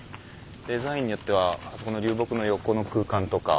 デザインによってはあそこの流木の横の空間とか。